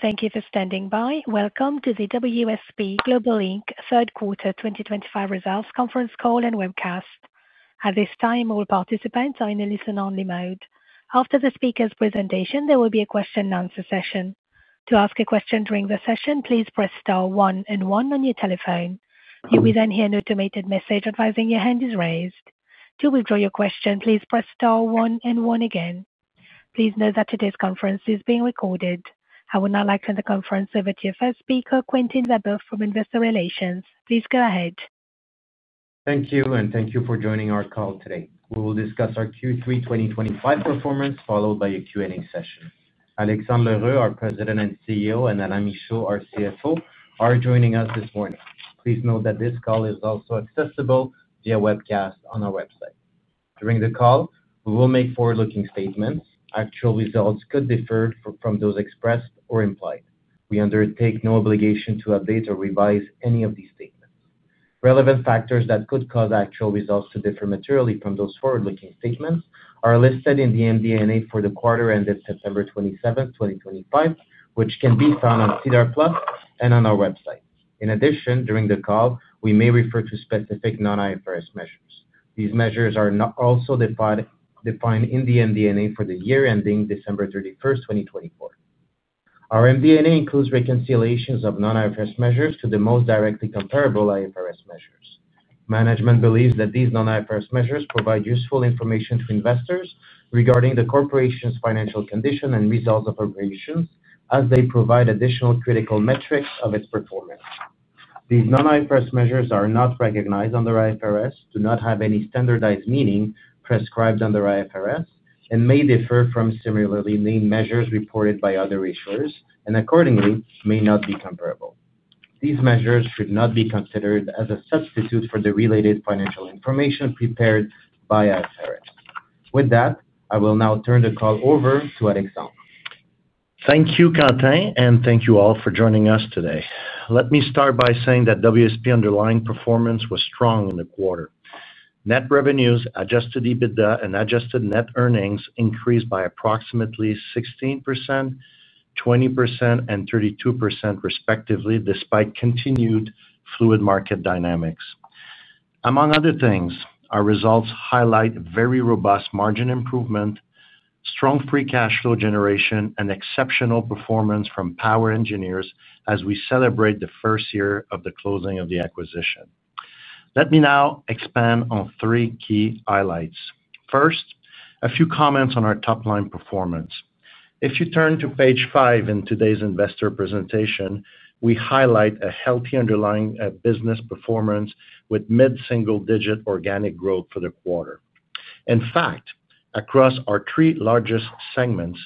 Thank you for standing by. Welcome to the WSP Global third quarter 2025 results conference call and webcast. At this time, all participants are in a listen-only mode. After the speaker's presentation, there will be a question-and-answer session. To ask a question during the session, please press star one and one on your telephone. You will then hear an automated message advising your hand is raised. To withdraw your question, please press star one and one again. Please note that today's conference is being recorded. I would now like to turn the conference over to your first speaker, Quentin Weber from Investor Relations. Please go ahead. Thank you, and thank you for joining our call today. We will discuss our Q3 2025 performance followed by a Q&A session. Alexandre L'Heureux, our President and CEO, and Alain Picard, our CFO, are joining us this morning. Please note that this call is also accessible via webcast on our website. During the call, we will make forward-looking statements. Actual results could differ from those expressed or implied. We undertake no obligation to update or revise any of these statements. Relevant factors that could cause actual results to differ materially from those forward-looking statements are listed in the MD&A for the quarter ended September 27, 2025, which can be found on CDR Plus and on our website. In addition, during the call, we may refer to specific non-IFRS measures. These measures are also defined in the MD&A for the year ending December 31, 2024. Our MD&A includes reconciliations of non-IFRS measures to the most directly comparable IFRS measures. Management believes that these non-IFRS measures provide useful information to investors regarding the corporation's financial condition and results of operations as they provide additional critical metrics of its performance. These non-IFRS measures are not recognized under IFRS, do not have any standardized meaning prescribed under IFRS, and may differ from similarly named measures reported by other issuers, and accordingly, may not be comparable. These measures should not be considered as a substitute for the related financial information prepared by IFRS. With that, I will now turn the call over to Alexandre. Thank you, Quentin, and thank you all for joining us today. Let me start by saying that WSP underlying performance was strong in the quarter. Net revenues, adjusted EBITDA, and adjusted net earnings increased by approximately 16%, 20%, and 32% respectively, despite continued fluid market dynamics. Among other things, our results highlight very robust margin improvement, strong free cash flow generation, and exceptional performance from POWER Engineers as we celebrate the first year of the closing of the acquisition. Let me now expand on three key highlights. First, a few comments on our top-line performance. If you turn to page five in today's investor presentation, we highlight a healthy underlying business performance with mid-single-digit organic growth for the quarter. In fact, across our three largest segments,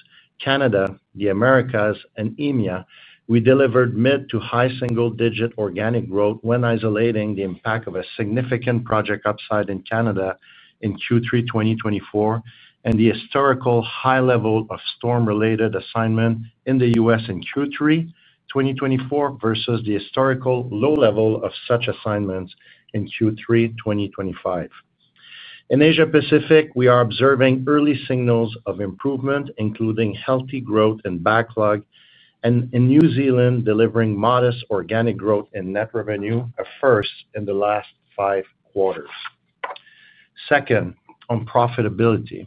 Canada, the Americas, and EMEA, we delivered mid to high single-digit organic growth when isolating the impact of a significant project upside in Canada in Q3 2024 and the historical high level of storm-related assignment in the U.S. in Q3 2024 versus the historical low level of such assignments in Q3 2025. In Asia-Pacific, we are observing early signals of improvement, including healthy growth and backlog, and in New Zealand, delivering modest organic growth in net revenue, a first in the last five quarters. Second, on profitability,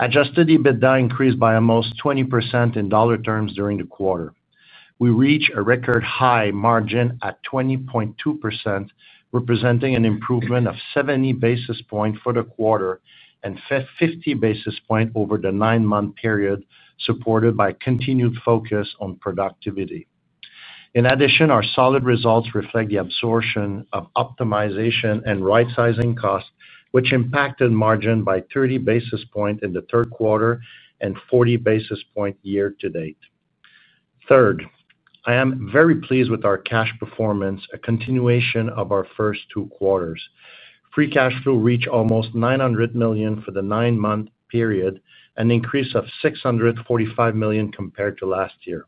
adjusted EBITDA increased by almost 20% in dollar terms during the quarter. We reached a record high margin at 20.2%, representing an improvement of 70 basis points for the quarter and 50 basis points over the nine-month period, supported by continued focus on productivity. In addition, our solid results reflect the absorption of optimization and right-sizing costs, which impacted margin by 30 basis points in the third quarter and 40 basis points year to date. Third, I am very pleased with our cash performance, a continuation of our first two quarters. Free cash flow reached almost $900 million for the nine-month period, an increase of $645 million compared to last year.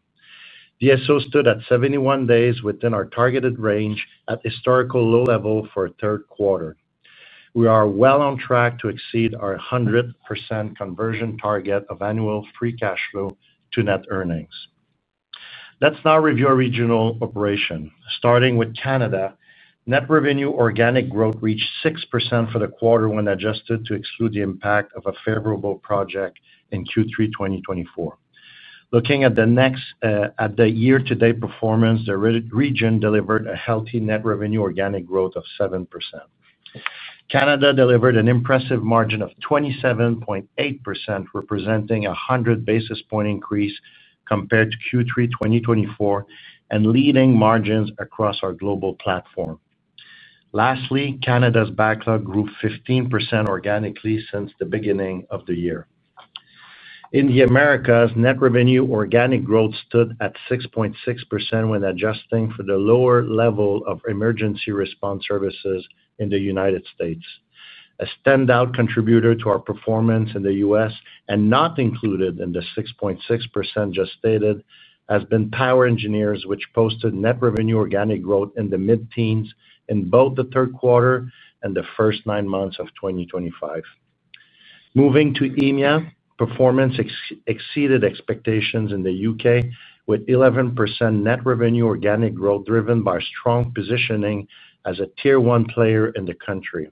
The DSO stood at 71 days within our targeted range at historical low level for a third quarter. We are well on track to exceed our 100% conversion target of annual free cash flow to net earnings. Let's now review our regional operation. Starting with Canada, net revenue organic growth reached 6% for the quarter when adjusted to exclude the impact of a favorable project in Q3 2024. Looking at the year-to-date performance, the region delivered a healthy net revenue organic growth of 7%. Canada delivered an impressive margin of 27.8%, representing a 100 basis point increase compared to Q3 2024 and leading margins across our global platform. Lastly, Canada's backlog grew 15% organically since the beginning of the year. In the Americas, net revenue organic growth stood at 6.6% when adjusting for the lower level of emergency response services in the United States. A standout contributor to our performance in the U.S. and not included in the 6.6% just stated has been POWER Engineers, which posted net revenue organic growth in the mid-teens in both the third quarter and the first nine months of 2025. Moving to EMEA, performance exceeded expectations in the U.K. with 11% net revenue organic growth driven by strong positioning as a tier one player in the country.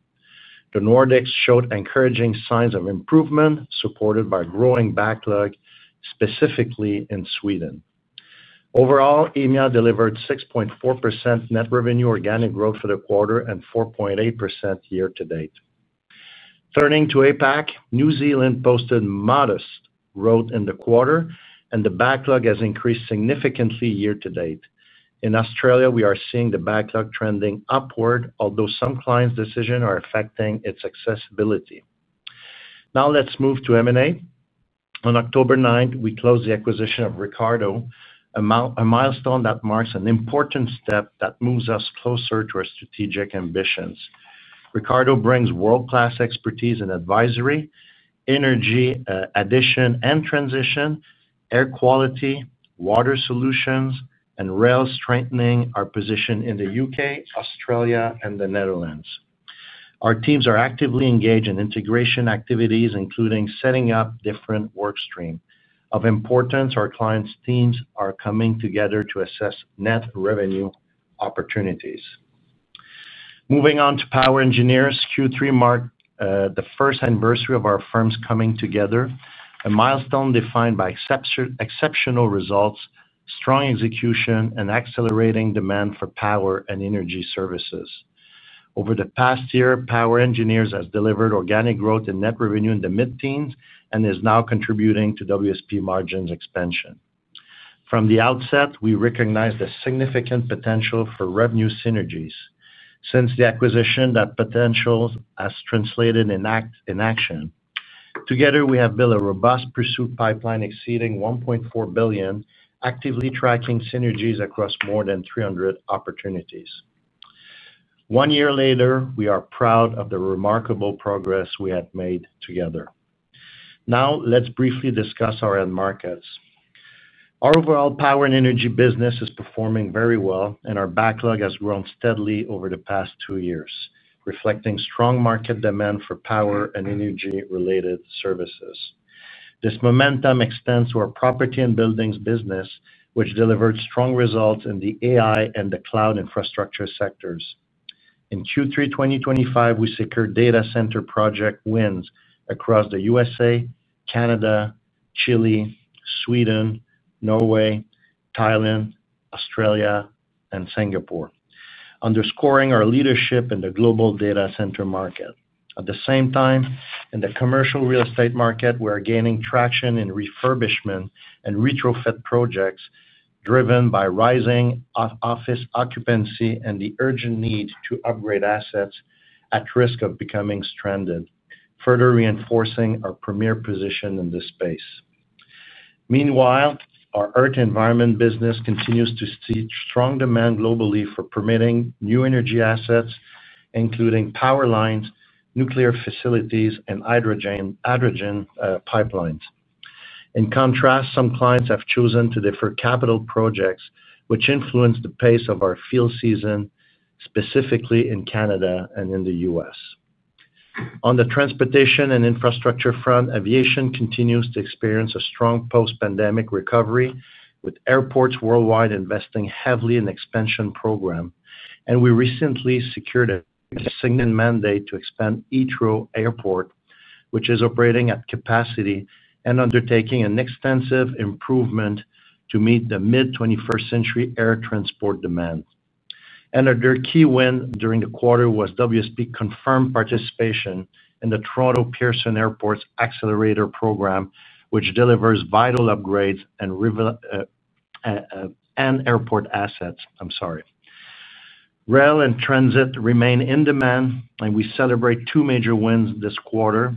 The Nordics showed encouraging signs of improvement supported by growing backlog, specifically in Sweden. Overall, EMEA delivered 6.4% net revenue organic growth for the quarter and 4.8% year to date. Turning to APAC, New Zealand posted modest growth in the quarter, and the backlog has increased significantly year to date. In Australia, we are seeing the backlog trending upward, although some clients' decisions are affecting its accessibility. Now let's move to M&A. On October 9, we closed the acquisition of Ricardo. A milestone that marks an important step that moves us closer to our strategic ambitions. Ricardo brings world-class expertise in advisory, energy transition, air quality, water solutions, and rail strengthening our position in the U.K., Australia, and the Netherlands. Our teams are actively engaged in integration activities, including setting up different work streams. Of importance, our clients' teams are coming together to assess net revenue opportunities. Moving on to POWER Engineers, Q3 marked the first anniversary of our firm's coming together, a milestone defined by exceptional results, strong execution, and accelerating demand for power and energy services. Over the past year, POWER Engineers have delivered organic growth in net revenue in the mid-teens and are now contributing to WSP margins expansion. From the outset, we recognize the significant potential for revenue synergies. Since the acquisition, that potential has translated in action. Together, we have built a robust pursuit pipeline exceeding $1.4 billion, actively tracking synergies across more than 300 opportunities. One year later, we are proud of the remarkable progress we have made together. Now, let's briefly discuss our end markets. Our overall power and energy business is performing very well, and our backlog has grown steadily over the past two years, reflecting strong market demand for power and energy-related services. This momentum extends to our property and buildings business, which delivered strong results in the AI and the cloud infrastructure sectors. In Q3 2025, we secured data center project wins across the U.S., Canada, Chile, Sweden, Norway, Thailand, Australia, and Singapore, underscoring our leadership in the global data center market. At the same time, in the commercial real estate market, we are gaining traction in refurbishment and retrofit projects driven by rising office occupancy and the urgent need to upgrade assets at risk of becoming stranded, further reinforcing our premier position in this space. Meanwhile, our Earth Environment business continues to see strong demand globally for permitting new energy assets, including power lines, nuclear facilities, and hydrogen pipelines. In contrast, some clients have chosen to defer capital projects, which influence the pace of our field season, specifically in Canada and in the U.S. On the transportation and infrastructure front, aviation continues to experience a strong post-pandemic recovery, with airports worldwide investing heavily in expansion programs, and we recently secured a signed mandate to expand Etro Airport, which is operating at capacity and undertaking an extensive improvement to meet the mid-21st-century air transport demand. Another key win during the quarter was WSP's confirmed participation in the Toronto Pearson Airport's accelerator program, which delivers vital upgrades and airport assets. Rail and transit remain in demand, and we celebrate two major wins this quarter,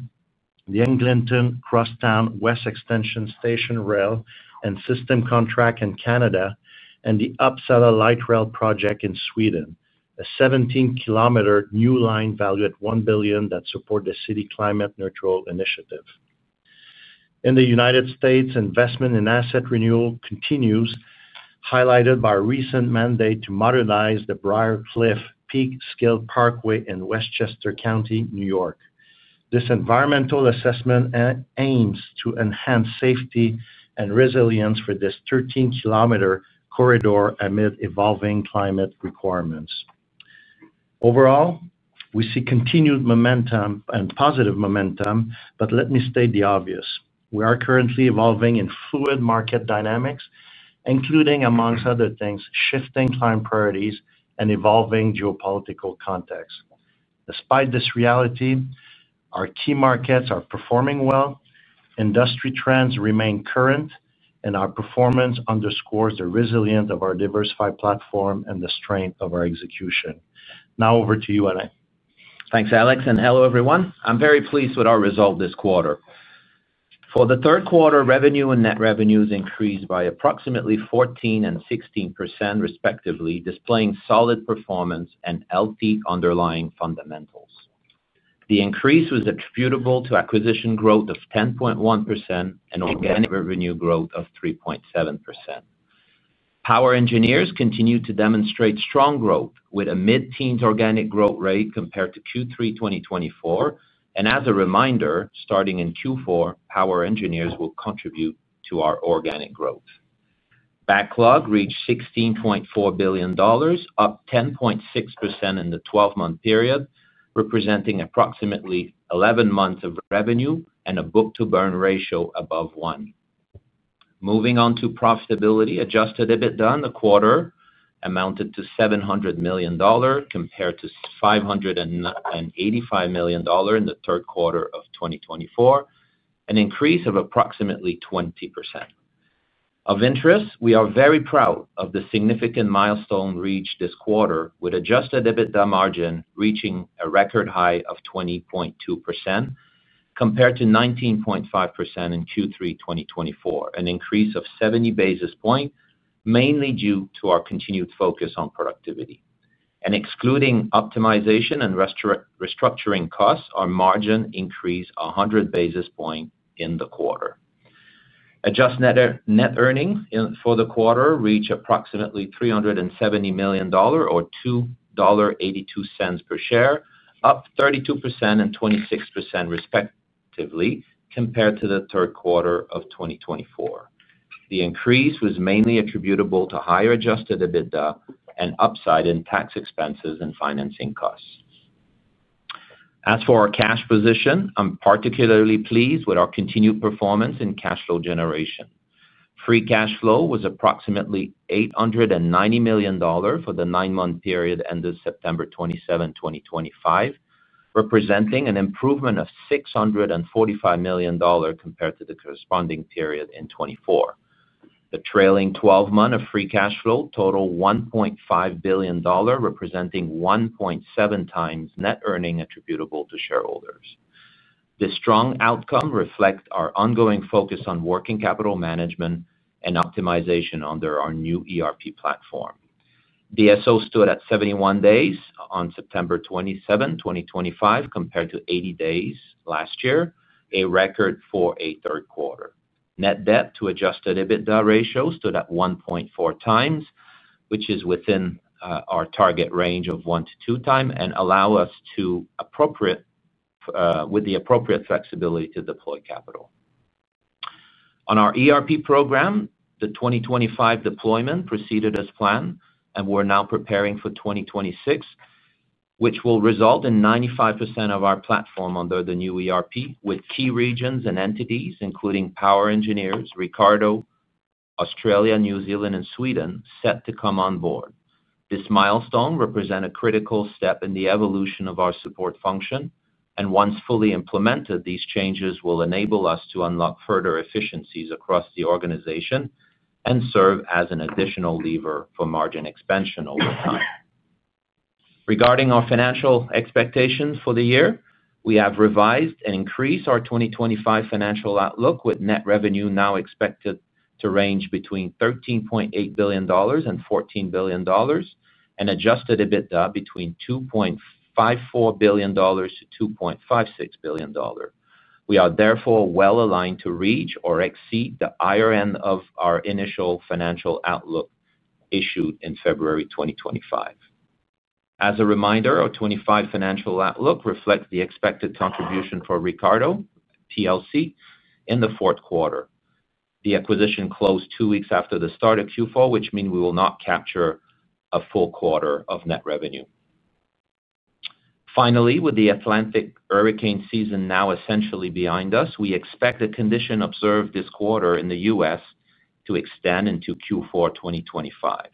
the Eglinton Crosstown West Extension Station Rail and system contract in Canada and the Uppsala Light Rail project in Sweden, a 17 km new line valued at $1 billion that supports the city's climate-neutral initiative. In the United States, investment in asset renewal continues, highlighted by a recent mandate to modernize the Briarcliff Peekskill Parkway in Westchester County, New York. This environmental assessment aims to enhance safety and resilience for this 13-kilometer corridor amid evolving climate requirements. Overall, we see continued momentum and positive momentum, but let me state the obvious. We are currently evolving in fluid market dynamics, including, amongst other things, shifting climate priorities and evolving geopolitical contexts. Despite this reality, our key markets are performing well. Industry trends remain current, and our performance underscores the resilience of our diversified platform and the strength of our execution. Now, over to you, Alain. Thanks, Alex, and hello, everyone. I'm very pleased with our result this quarter. For the third quarter, revenue and net revenues increased by approximately 14% and 16%, respectively, displaying solid performance and healthy underlying fundamentals. The increase was attributable to acquisition growth of 10.1% and organic revenue growth of 3.7%. POWER Engineers continue to demonstrate strong growth with a mid-teens organic growth rate compared to Q3 2024. As a reminder, starting in Q4, POWER Engineers will contribute to our organic growth. Backlog reached $16.4 billion, up 10.6% in the 12-month period, representing approximately 11 months of revenue and a book-to-bill ratio above one. Moving on to profitability, adjusted EBITDA in the quarter amounted to $700 million compared to $585 million in the third quarter of 2024, an increase of approximately 20%. Of interest, we are very proud of the significant milestone reached this quarter with adjusted EBITDA margin reaching a record high of 20.2%. Compared to 19.5% in Q3 2024, an increase of 70 basis points, mainly due to our continued focus on productivity. Excluding optimization and restructuring costs, our margin increased 100 basis points in the quarter. Adjusted net earnings for the quarter reached approximately $370 million, or $2.82 per share, up 32% and 26%, respectively, compared to the third quarter of 2024. The increase was mainly attributable to higher adjusted EBITDA and upside in tax expenses and financing costs. As for our cash position, I'm particularly pleased with our continued performance in cash flow generation. Free cash flow was approximately $890 million for the nine-month period ended September 27, 2025, representing an improvement of $645 million compared to the corresponding period in 2024. The trailing 12 months of free cash flow totaled $1.5 billion, representing 1.7x net earnings attributable to shareholders. This strong outcome reflects our ongoing focus on working capital management and optimization under our new ERP platform. The DSO stood at 71 days on September 27, 2025, compared to 80 days last year, a record for a third quarter. Net debt to adjusted EBITDA ratio stood at 1.4x, which is within our target range of one to two times and allows us to, with the appropriate flexibility to deploy capital. On our ERP program, the 2025 deployment proceeded as planned, and we're now preparing for 2026, which will result in 95% of our platform under the new ERP, with key regions and entities, including POWER Engineers, Ricardo, Australia, New Zealand, and Sweden, set to come on board. This milestone represents a critical step in the evolution of our support function, and once fully implemented, these changes will enable us to unlock further efficiencies across the organization and serve as an additional lever for margin expansion over time. Regarding our financial expectations for the year, we have revised and increased our 2025 financial outlook, with net revenue now expected to range between $13.8 billion-$14 billion, and adjusted EBITDA between $2.54 billion-$2.56 billion. We are therefore well aligned to reach or exceed the IRN of our initial financial outlook issued in February 2025. As a reminder, our 2025 financial outlook reflects the expected contribution for Ricardo in the fourth quarter. The acquisition closed two weeks after the start of Q4, which means we will not capture a full quarter of net revenue. Finally, with the Atlantic hurricane season now essentially behind us, we expect the condition observed this quarter in the U.S. to extend into Q4 2025.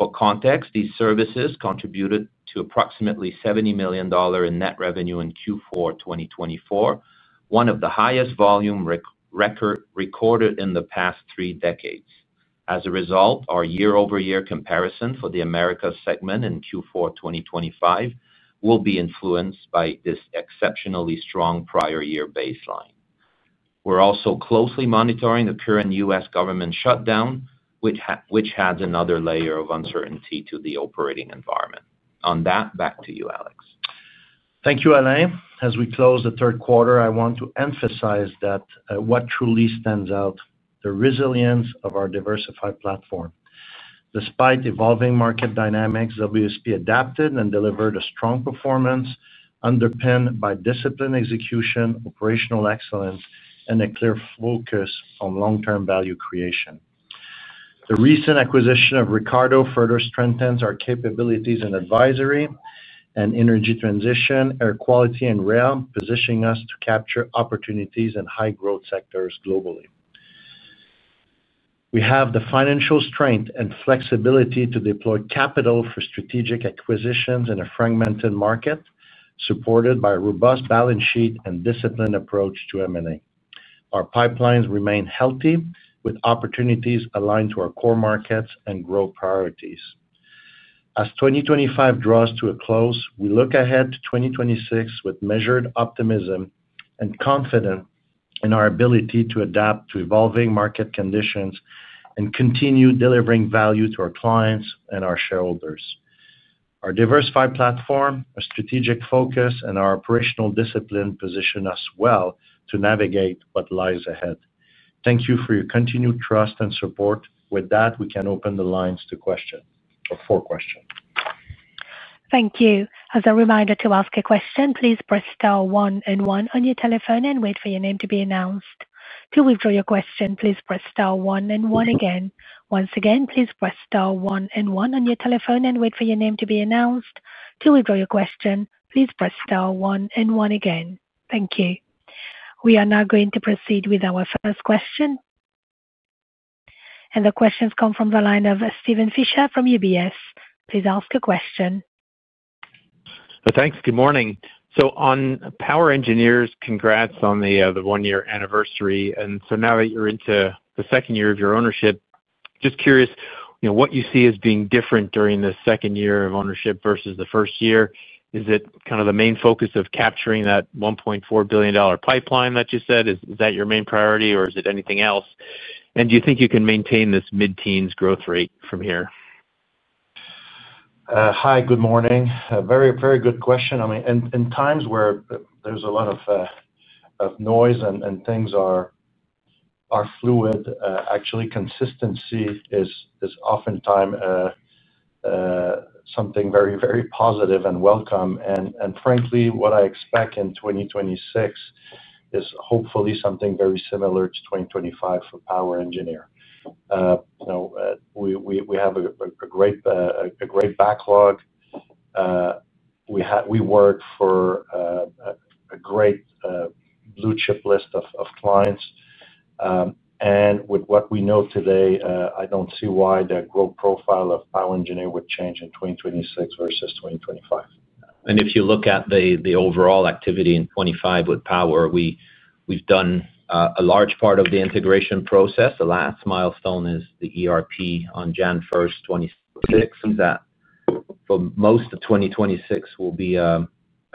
For context, these services contributed to approximately $70 million in net revenue in Q4 2024, one of the highest volume records recorded in the past three decades. As a result, our year-over-year comparison for the Americas segment in Q4 2025 will be influenced by this exceptionally strong prior-year baseline. We're also closely monitoring the current U.S. government shutdown, which adds another layer of uncertainty to the operating environment. On that, back to you, Alex. Thank you, Alain. As we close the third quarter, I want to emphasize that what truly stands out is the resilience of our diversified platform. Despite evolving market dynamics, WSP adapted and delivered a strong performance underpinned by disciplined execution, operational excellence, and a clear focus on long-term value creation. The recent acquisition of Ricardo further strengthens our capabilities in advisory and energy transition, air quality, and rail, positioning us to capture opportunities in high-growth sectors globally. We have the financial strength and flexibility to deploy capital for strategic acquisitions in a fragmented market, supported by a robust balance sheet and disciplined approach to M&A. Our pipelines remain healthy, with opportunities aligned to our core markets and growth priorities. As 2025 draws to a close, we look ahead to 2026 with measured optimism and confidence in our ability to adapt to evolving market conditions and continue delivering value to our clients and our shareholders. Our diversified platform, our strategic focus, and our operational discipline position us well to navigate what lies ahead. Thank you for your continued trust and support. With that, we can open the lines to questions or for questions. Thank you. As a reminder to ask a question, please press star one and one on your telephone and wait for your name to be announced. To withdraw your question, please press star one and one again. Once again, please press star one and one on your telephone and wait for your name to be announced. To withdraw your question, please press star one and one again. Thank you. We are now going to proceed with our first question. The questions come from the line of Steven Fisher from UBS. Please ask a question. Thanks. Good morning. On POWER Engineers, congrats on the one-year anniversary. Now that you're into the second year of your ownership, just curious what you see as being different during the second year of ownership versus the first year. Is it kind of the main focus of capturing that $1.4 billion pipeline that you said? Is that your main priority, or is it anything else? Do you think you can maintain this mid-teens growth rate from here? Hi, good morning. Very good question. I mean, in times where there's a lot of noise and things are fluid, actually, consistency is oftentimes something very, very positive and welcome. Frankly, what I expect in 2026 is hopefully something very similar to 2025 for POWER Engineers. We have a great backlog. We work for a great blue-chip list of clients. With what we know today, I don't see why the growth profile of POWER Engineers would change in 2026 versus 2025. If you look at the overall activity in 2025 with POWER Engineers, we've done a large part of the integration process. The last milestone is the ERP on January 1, 2026. For most of 2026, it will be a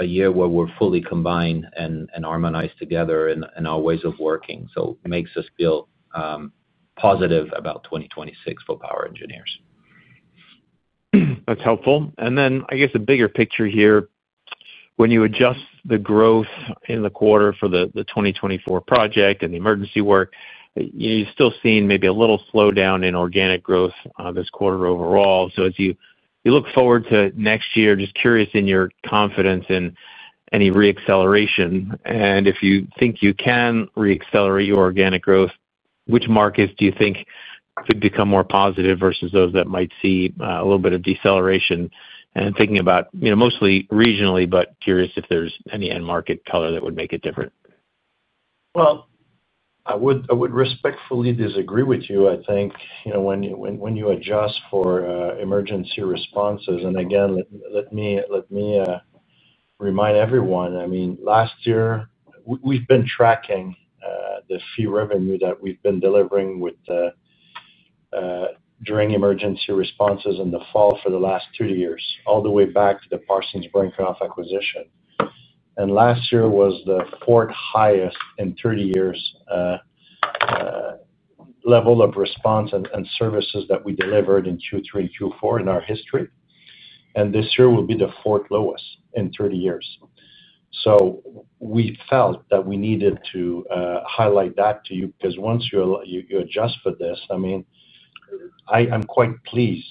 year where we're fully combined and harmonized together in our ways of working. It makes us feel positive about 2026 for POWER Engineers. That's helpful. I guess, the bigger picture here, when you adjust the growth in the quarter for the 2024 project and the emergency work, you're still seeing maybe a little slowdown in organic growth this quarter overall. As you look forward to next year, just curious in your confidence in any re-acceleration. If you think you can re-accelerate your organic growth, which markets do you think could become more positive versus those that might see a little bit of deceleration? Thinking about mostly regionally, but curious if there's any end market color that would make it different. I would respectfully disagree with you, I think. When you adjust for emergency responses, and again, let me remind everyone, I mean, last year, we've been tracking the fee revenue that we've been delivering with during emergency responses in the fall for the last three years, all the way back to the Parsons Brain Craft acquisition. Last year was the fourth highest in 30 years. Level of response and services that we delivered in Q3 and Q4 in our history. This year will be the fourth lowest in 30 years. We felt that we needed to highlight that to you because once you adjust for this, I mean, I'm quite pleased,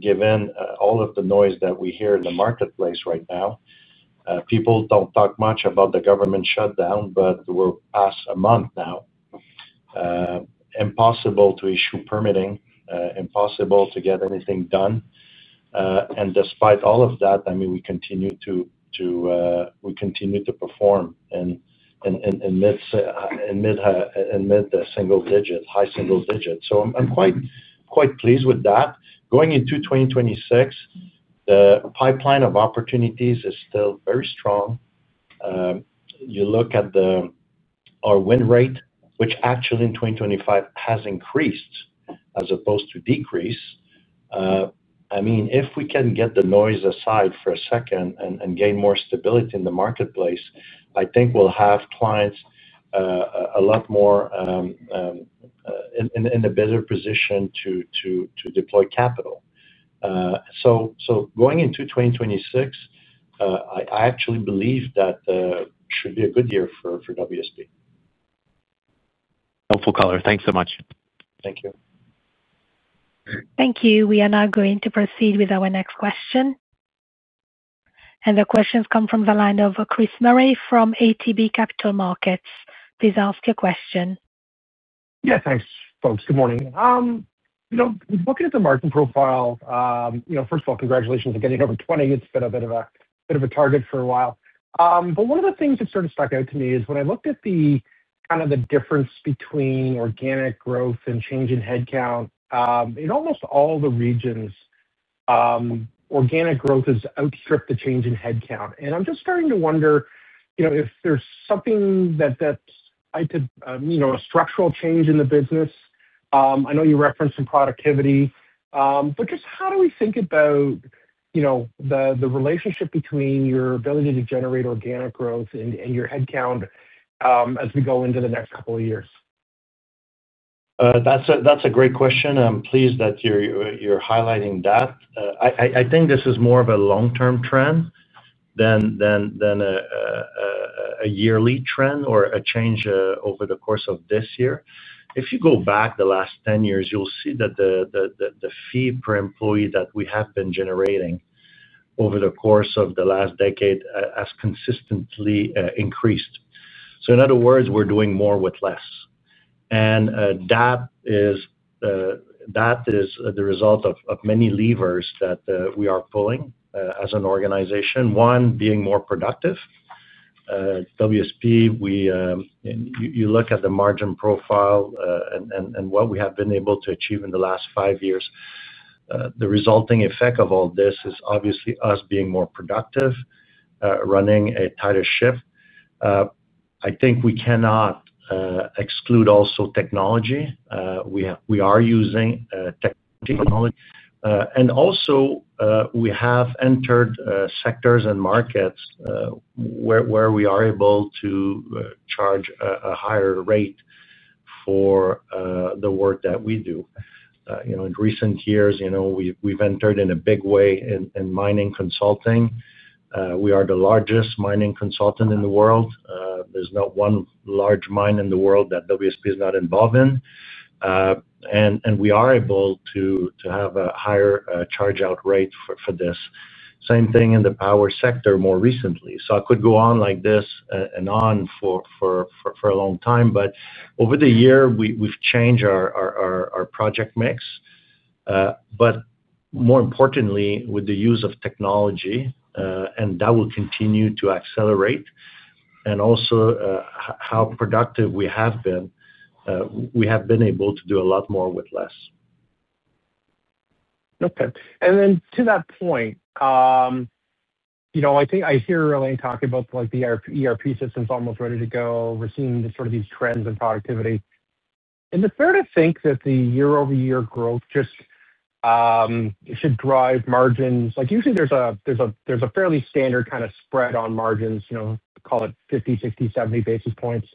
given all of the noise that we hear in the marketplace right now. People do not talk much about the government shutdown, but we're past a month now. Impossible to issue permitting, impossible to get anything done. Despite all of that, I mean, we continue to perform. Mid-single digit, high single digit. I am quite pleased with that. Going into 2026, the pipeline of opportunities is still very strong. You look at our win rate, which actually in 2025 has increased as opposed to decreased. I mean, if we can get the noise aside for a second and gain more stability in the marketplace, I think we will have clients a lot more in a better position to deploy capital. Going into 2026, I actually believe that should be a good year for WSP. Helpful color. Thanks so much. Thank you. Thank you. We are now going to proceed with our next question. The questions come from the line of Chris Murray from ATB Capital Markets. Please ask your question. Yeah, thanks, folks. Good morning. Looking at the margin profile, first of all, congratulations on getting over 20%. It's been a bit of a target for a while. One of the things that sort of stuck out to me is when I looked at kind of the difference between organic growth and change in headcount, in almost all the regions. Organic growth has outstripped the change in headcount. I'm just starting to wonder if there's something that could mean a structural change in the business. I know you referenced some productivity. Just how do we think about the relationship between your ability to generate organic growth and your headcount as we go into the next couple of years? That's a great question. I'm pleased that you're highlighting that. I think this is more of a long-term trend than a yearly trend or a change over the course of this year. If you go back the last 10 years, you'll see that the fee per employee that we have been generating over the course of the last decade has consistently increased. In other words, we're doing more with less. That is the result of many levers that we are pulling as an organization, one being more productive. WSP, you look at the margin profile and what we have been able to achieve in the last five years. The resulting effect of all this is obviously us being more productive, running a tighter shift. I think we cannot exclude also technology. We are using technology. Also, we have entered sectors and markets where we are able to charge a higher rate for the work that we do. In recent years, we've entered in a big way in mining consulting. We are the largest mining consultant in the world. There's not one large mine in the world that WSP is not involved in. We are able to have a higher charge-out rate for this. Same thing in the power sector more recently. I could go on like this and on for a long time. Over the year, we've changed our project mix. More importantly, with the use of technology, and that will continue to accelerate. Also, how productive we have been, we have been able to do a lot more with less. Okay. To that point, I think I hear Alain talking about the ERP systems almost ready to go. We're seeing sort of these trends in productivity. The third, I think, that the year-over-year growth just should drive margins. Usually, there's a fairly standard kind of spread on margins, call it 50, 60, 70 basis points.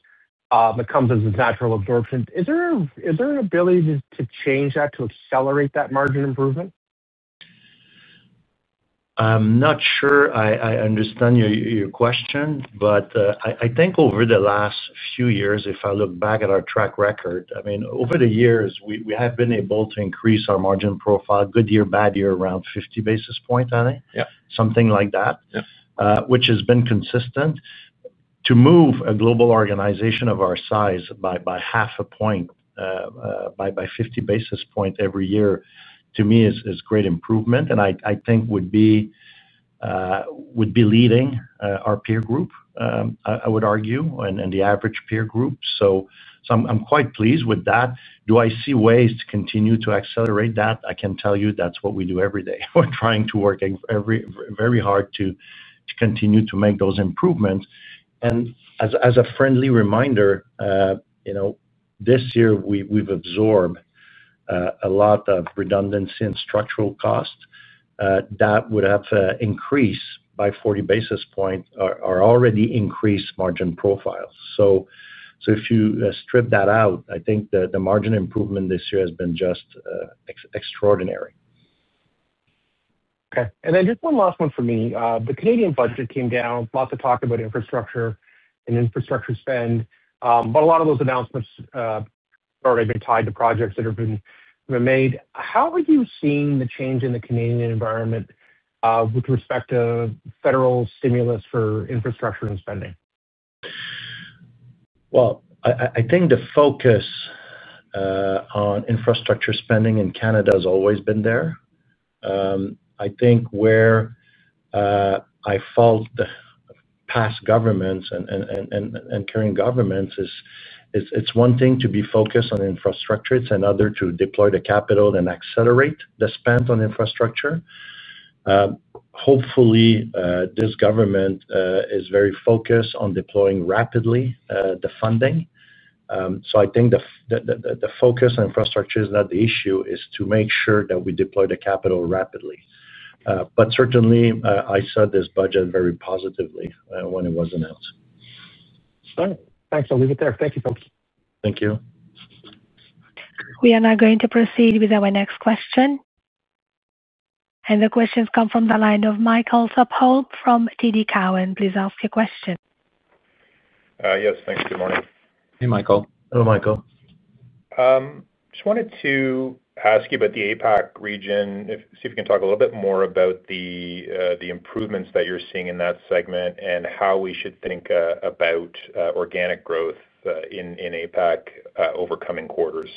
That comes as a natural absorption. Is there an ability to change that to accelerate that margin improvement? I'm not sure I understand your question, but I think over the last few years, if I look back at our track record, I mean, over the years, we have been able to increase our margin profile, good year, bad year, around 50 basis points, something like that, which has been consistent. To move a global organization of our size by half a point, by 50 basis points every year, to me, is great improvement. I think that would be leading our peer group, I would argue, and the average peer group. I'm quite pleased with that. Do I see ways to continue to accelerate that? I can tell you that's what we do every day. We're trying to work very hard to continue to make those improvements. As a friendly reminder, this year, we've absorbed a lot of redundancy and structural cost. That would have increased by 40 basis points our already increased margin profiles. If you strip that out, I think the margin improvement this year has been just extraordinary. Okay. And then just one last one for me. The Canadian budget came down, lots of talk about infrastructure and infrastructure spend. A lot of those announcements have already been tied to projects that have been made. How are you seeing the change in the Canadian environment with respect to federal stimulus for infrastructure and spending? I think the focus on infrastructure spending in Canada has always been there. I think where I fault the past governments and current governments, it's one thing to be focused on infrastructure. It's another to deploy the capital and accelerate the spend on infrastructure. Hopefully, this government is very focused on deploying rapidly the funding. I think the focus on infrastructure is not the issue, it's to make sure that we deploy the capital rapidly. Certainly, I saw this budget very positively when it was announced. All right. Thanks. I'll leave it there. Thank you, folks. Thank you. We are now going to proceed with our next question. The questions come from the line of Michael Sapol from TD Cowen. Please ask your question. Yes, thanks. Good morning. Hey, Michael. Hello, Michael. Just wanted to ask you about the APAC region, see if you can talk a little bit more about the improvements that you're seeing in that segment and how we should think about organic growth in APAC over coming quarters.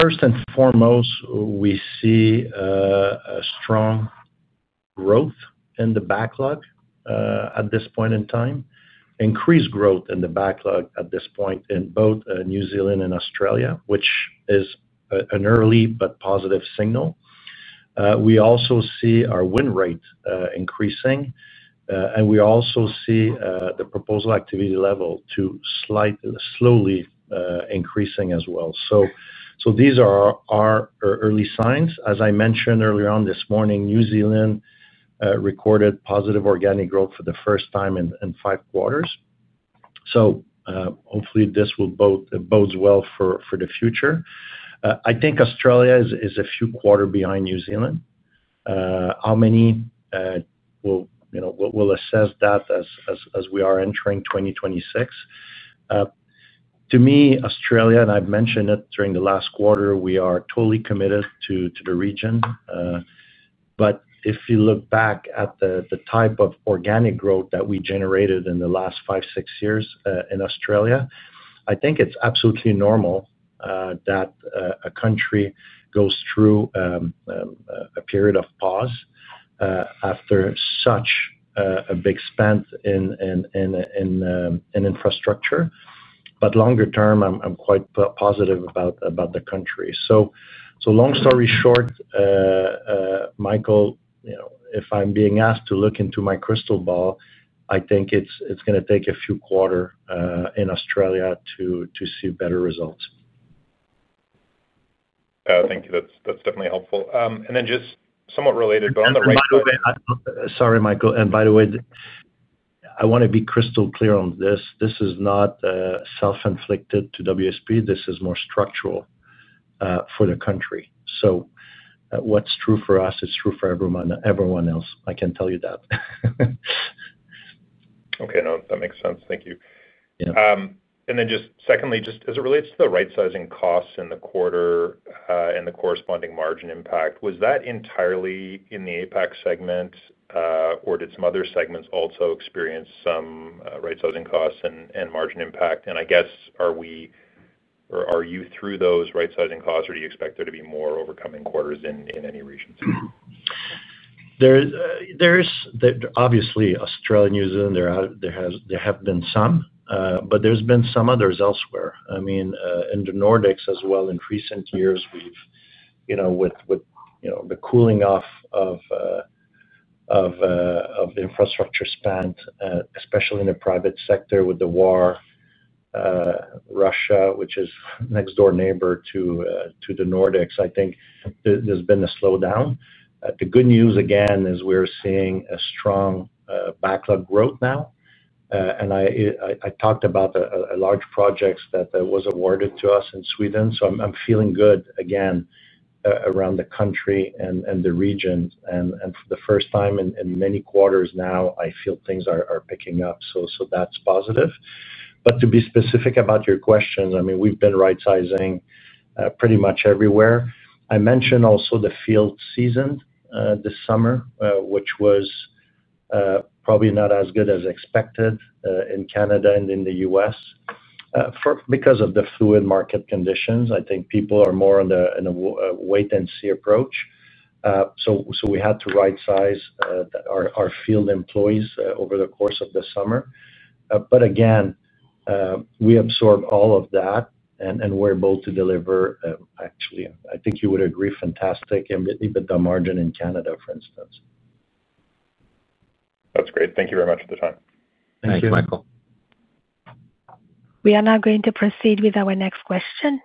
First and foremost, we see a strong growth in the backlog. At this point in time, increased growth in the backlog at this point in both New Zealand and Australia, which is an early but positive signal. We also see our win rate increasing. We also see the proposal activity level slowly increasing as well. These are our early signs. As I mentioned earlier on this morning, New Zealand recorded positive organic growth for the first time in five quarters. Hopefully, this will bode well for the future. I think Australia is a few quarters behind New Zealand. How many, we will assess that as we are entering 2026. To me, Australia, and I have mentioned it during the last quarter, we are totally committed to the region. If you look back at the type of organic growth that we generated in the last five, six years in Australia, I think it's absolutely normal that a country goes through a period of pause after such a big spend in infrastructure. Longer term, I'm quite positive about the country. Long story short, Michael, if I'm being asked to look into my crystal ball, I think it's going to take a few quarters in Australia to see better results. Thank you. That's definitely helpful. And then just somewhat related, but on the right side. Sorry, Michael. By the way, I want to be crystal clear on this. This is not self-inflicted to WSP. This is more structural for the country. What's true for us is true for everyone else. I can tell you that. Okay. No, that makes sense. Thank you. And then just secondly, just as it relates to the right-sizing costs in the quarter and the corresponding margin impact, was that entirely in the APAC segment? Or did some other segments also experience some right-sizing costs and margin impact? I guess, are you through those right-sizing costs, or do you expect there to be more over coming quarters in any regions? Obviously, Australia and New Zealand, there have been some. But there's been some others elsewhere. I mean, in the Nordics as well, in recent years, with the cooling off of infrastructure spend, especially in the private sector with the war. Russia, which is a next-door neighbor to the Nordics, I think there's been a slowdown. The good news, again, is we're seeing a strong backlog growth now. I talked about a large project that was awarded to us in Sweden. So I'm feeling good again around the country and the region. And for the first time in many quarters now, I feel things are picking up. That's positive. To be specific about your question, I mean, we've been right-sizing pretty much everywhere. I mentioned also the field season this summer, which was probably not as good as expected in Canada and in the U.S. Because of the fluid market conditions, I think people are more on a wait-and-see approach. We had to right-size our field employees over the course of the summer. Again, we absorbed all of that and were able to deliver, actually, I think you would agree, fantastic, a bit of margin in Canada, for instance. That's great. Thank you very much for the time. Thank you, Michael. We are now going to proceed with our next question.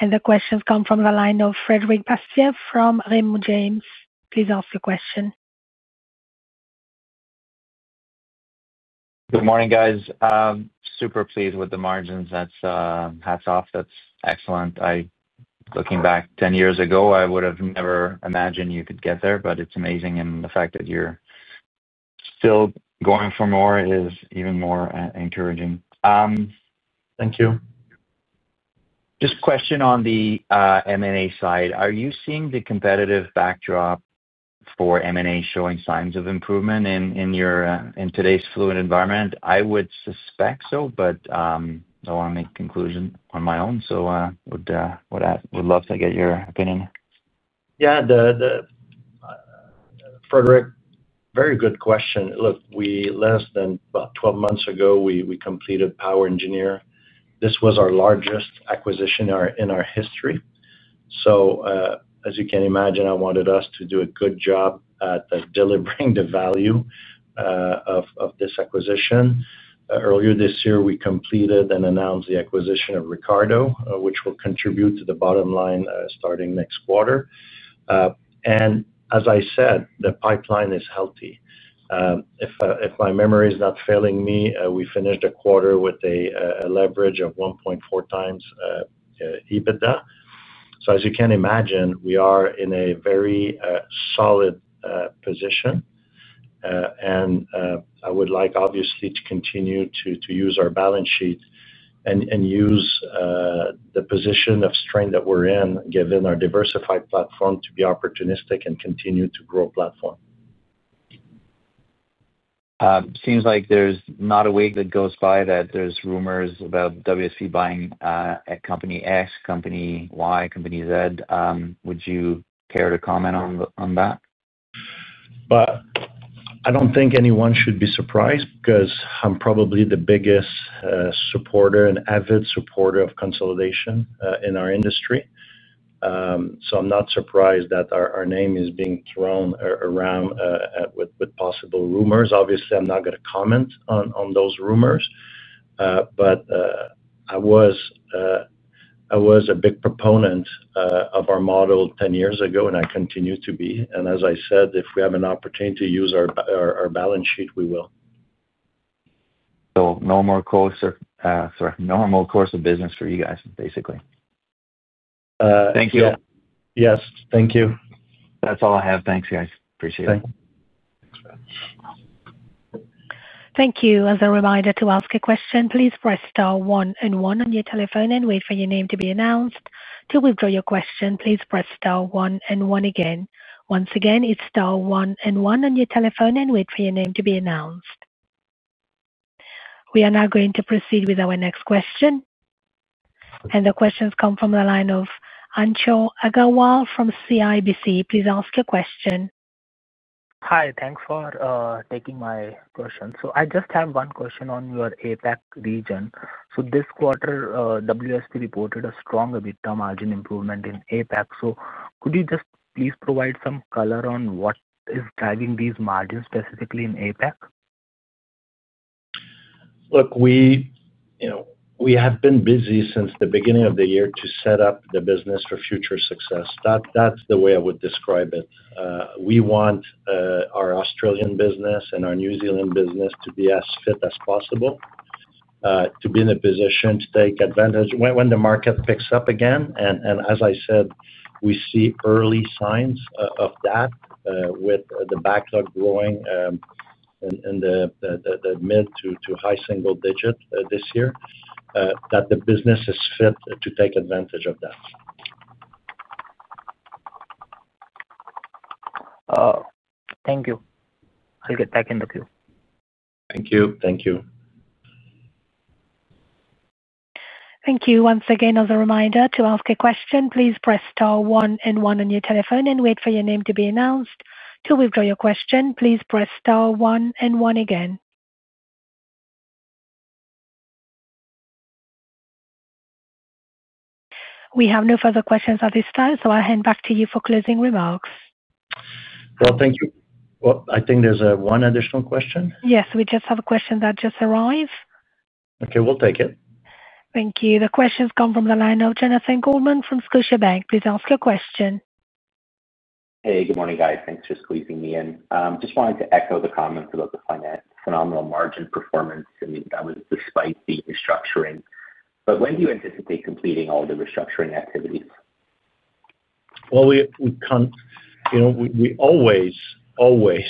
The questions come from the line of Frederic Bastien from Raymond James. Please ask your question. Good morning, guys. Super pleased with the margins. Hats off. That's excellent. Looking back 10 years ago, I would have never imagined you could get there, but it's amazing. The fact that you're still going for more is even more encouraging. Thank you. Just a question on the M&A side. Are you seeing the competitive backdrop for M&A showing signs of improvement in today's fluid environment? I would suspect so, but I want to make a conclusion on my own. I would love to get your opinion. Yeah. Frederic, very good question. Look, less than about 12 months ago, we completed POWER Engineers. This was our largest acquisition in our history. As you can imagine, I wanted us to do a good job at delivering the value of this acquisition. Earlier this year, we completed and announced the acquisition of Ricardo, which will contribute to the bottom line starting next quarter. As I said, the pipeline is healthy. If my memory is not failing me, we finished a quarter with a leverage of 1.4x EBITDA. As you can imagine, we are in a very solid position. I would like, obviously, to continue to use our balance sheet and use the position of strength that we're in, given our diversified platform, to be opportunistic and continue to grow platform. Seems like there's not a week that goes by that there's rumors about WSP buying company X, company Y, company Z. Would you care to comment on that? I do not think anyone should be surprised because I am probably the biggest supporter and avid supporter of consolidation in our industry. I am not surprised that our name is being thrown around with possible rumors. Obviously, I am not going to comment on those rumors. I was a big proponent of our model 10 years ago, and I continue to be. As I said, if we have an opportunity to use our balance sheet, we will. Normal course of business for you guys, basically. Thank you. Yes, thank you. That's all I have. Thanks, guys. Appreciate it. Thank you. As a reminder to ask a question, please press star one and one on your telephone and wait for your name to be announced. To withdraw your question, please press star one and one again. Once again, it is star one and one on your telephone and wait for your name to be announced. We are now going to proceed with our next question. The questions come from the line of Anshul Agarwal from CIBC. Please ask your question. Hi. Thanks for taking my question. I just have one question on your APAC region. This quarter, WSP reported a strong EBITDA margin improvement in APAC. Could you just please provide some color on what is driving these margins specifically in APAC? Look, we have been busy since the beginning of the year to set up the business for future success. That's the way I would describe it. We want our Australian business and our New Zealand business to be as fit as possible to be in a position to take advantage when the market picks up again. As I said, we see early signs of that with the backlog growing in the mid to high single digit this year, that the business is fit to take advantage of that. Oh, thank you. I'll get back in the queue. Thank you. Thank you. Thank you. Once again, as a reminder to ask a question, please press star one and one on your telephone and wait for your name to be announced. To withdraw your question, please press star one and one again. We have no further questions at this time, so I'll hand back to you for closing remarks. Thank you. I think there's one additional question. Yes, we just have a question that just arrived. Okay. We'll take it. Thank you. The questions come from the line of Jonathan Goldman from Scotiabank. Please ask your question. Hey, good morning, guys. Thanks for squeezing me in. Just wanted to echo the comments about the phenomenal margin performance, and that was despite the restructuring. When do you anticipate completing all the restructuring activities? We always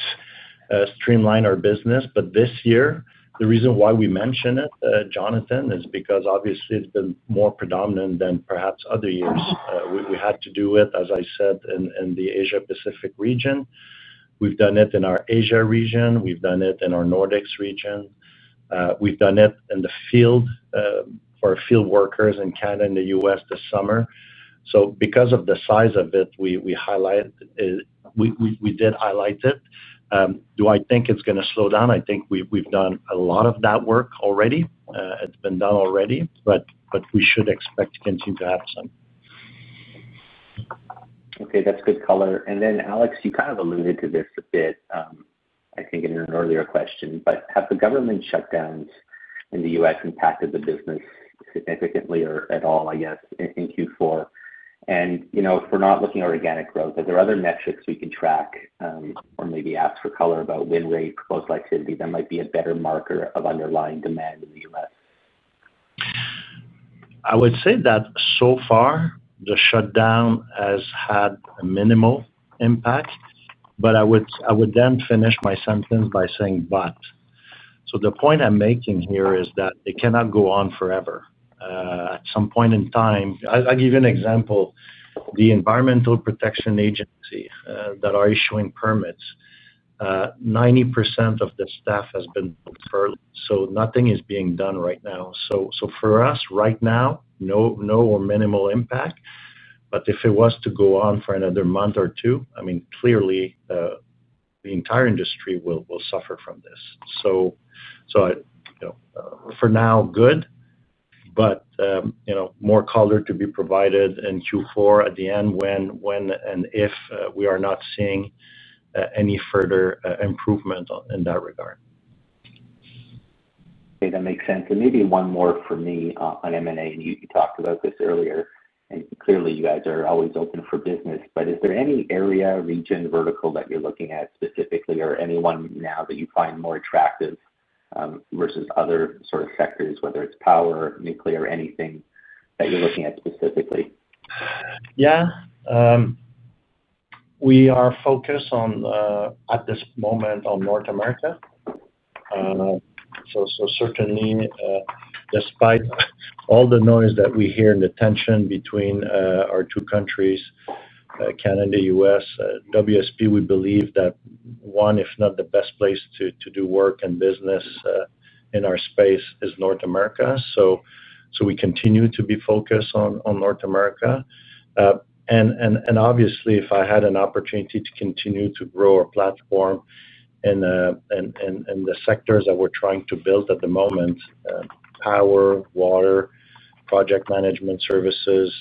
streamline our business. This year, the reason why we mention it, Jonathan, is because obviously it's been more predominant than perhaps other years. We had to do it, as I said, in the Asia-Pacific region. We've done it in our Asia region. We've done it in our Nordics region. We've done it in the field. For field workers in Canada and the U.S. this summer. Because of the size of it, we did highlight it. Do I think it's going to slow down? I think we've done a lot of that work already. It's been done already, but we should expect to continue to have some. Okay. That's good color. Alex, you kind of alluded to this a bit, I think, in an earlier question, but have the government shutdowns in the U.S. impacted the business significantly or at all, I guess, in Q4? If we're not looking at organic growth, are there other metrics we can track? Or maybe ask for color about win rate for most activity that might be a better marker of underlying demand in the U.S.? I would say that so far, the shutdown has had a minimal impact, but I would then finish my sentence by saying, but. The point I am making here is that it cannot go on forever. At some point in time, I will give you an example. The Environmental Protection Agency that are issuing permits, 90% of the staff has been furloughed. Nothing is being done right now. For us, right now, no or minimal impact. If it was to go on for another month or two, I mean, clearly, the entire industry will suffer from this. For now, good. More color to be provided in Q4 at the end when and if we are not seeing any further improvement in that regard. Okay. That makes sense. Maybe one more for me on M&A. You talked about this earlier, and clearly you guys are always open for business, but is there any area, region, vertical that you're looking at specifically, or anyone now that you find more attractive versus other sort of sectors, whether it's power, nuclear, anything that you're looking at specifically? Yeah. We are focused on, at this moment, on North America. Certainly, despite all the noise that we hear and the tension between our two countries, Canada and the U.S., WSP, we believe that one, if not the best place to do work and business in our space is North America. We continue to be focused on North America. Obviously, if I had an opportunity to continue to grow our platform in the sectors that we are trying to build at the moment, power, water, project management services,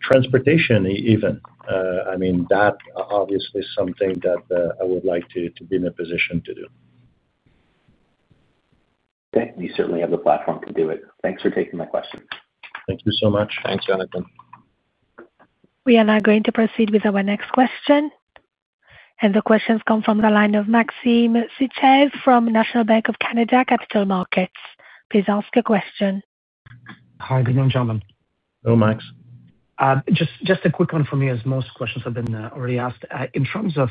transportation even, I mean, that obviously is something that I would like to be in a position to do. Okay. We certainly have the platform to do it. Thanks for taking my question. Thank you so much. Thanks, Jonathan. We are now going to proceed with our next question. The questions come from the line of Maxime Sichez from National Bank of Canada Capital Markets. Please ask your question. Hi. Good morning, gentlemen. Hello, Max. Just a quick one for me, as most questions have been already asked. In terms of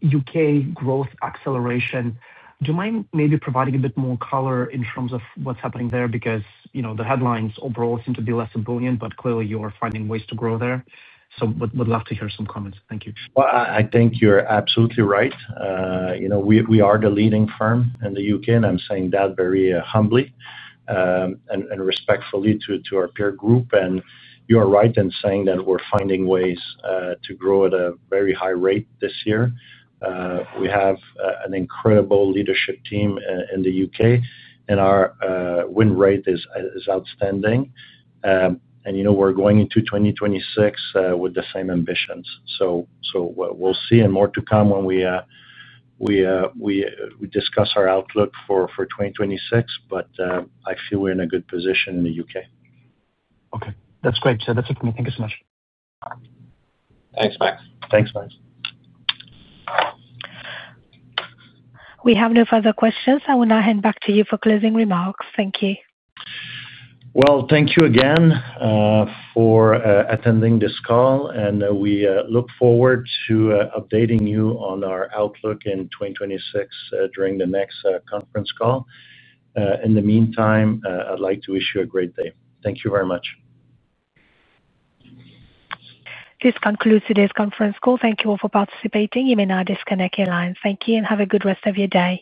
U.K. growth acceleration, do you mind maybe providing a bit more color in terms of what's happening there? Because the headlines overall seem to be less sibilant, but clearly you are finding ways to grow there. Would love to hear some comments. Thank you. I think you're absolutely right. We are the leading firm in the U.K., and I'm saying that very humbly and respectfully to our peer group. You are right in saying that we're finding ways to grow at a very high rate this year. We have an incredible leadership team in the U.K., and our win rate is outstanding. We're going into 2026 with the same ambitions. We will see, and more to come when we discuss our outlook for 2026, but I feel we're in a good position in the U.K. Okay. That's great. So that's it for me. Thank you so much. Thanks, Max. Thanks, Max. We have no further questions. I will now hand back to you for closing remarks. Thank you. Thank you again for attending this call, and we look forward to updating you on our outlook in 2026 during the next conference call. In the meantime, I'd like to wish you a great day. Thank you very much. This concludes today's conference call. Thank you all for participating. You may now disconnect your lines. Thank you and have a good rest of your day.